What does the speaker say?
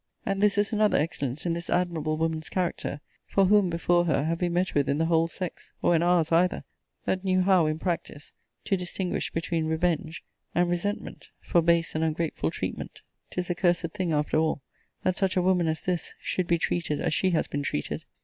And this is another excellence in this admirable woman's character: for whom, before her, have we met with in the whole sex, or in ours either, that knew how, in practice, to distinguish between REVENGE and RESENTMENT, for base and ungrateful treatment? 'Tis a cursed thing, after all, that such a woman as this should be treated as she has been treated.